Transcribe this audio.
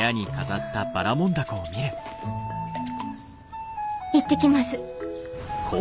行ってきます。